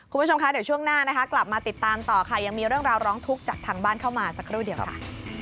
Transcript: คุณผู้ชมคะเดี๋ยวช่วงหน้านะคะกลับมาติดตามต่อค่ะยังมีเรื่องราวร้องทุกข์จากทางบ้านเข้ามาสักครู่เดียวค่ะ